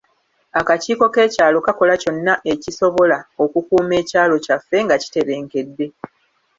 Akakiiko k'ekyalo kakola kyonna okisobola okukuuma ekyalo kyaffe nga kitebenkedde.